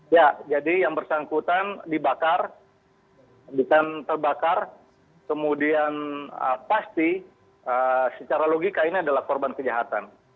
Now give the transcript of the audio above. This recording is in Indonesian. ya jadi yang bersangkutan dibakar bukan terbakar kemudian pasti secara logika ini adalah korban kejahatan